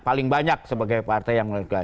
paling banyak sebagai partai yang melakukan